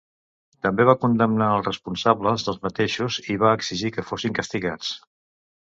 També va condemnar els responsables dels mateixos i va exigir que fossin castigats.